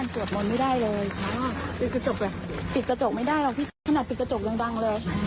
สวัสดีครับ